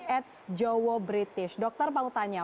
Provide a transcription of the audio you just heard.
at jowo british dokter mau tanya